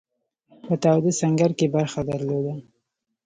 په تاوده سنګر کې برخه درلوده.